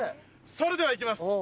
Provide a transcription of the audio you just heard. それでは行きます。